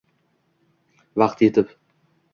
Vaqt yetib